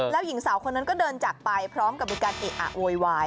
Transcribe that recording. แล้วหญิงสาวคนนั้นก็เดินจากไปพร้อมกับมีการเอะอะโวยวาย